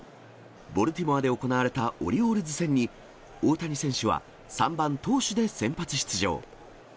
ボルティモアで行われたオリオールズ戦に、大谷選手は３番投手で先発出場。